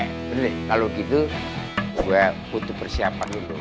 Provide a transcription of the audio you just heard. nanti kalau gitu gue butuh persiapan dulu